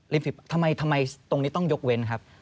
ทำไมตรงนี้ต้องยกเว้นครับ